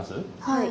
はい。